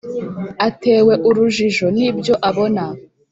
atewe urujijo n’ibyo abona